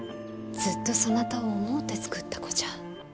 ずっとそなたを思うて作った子じゃ。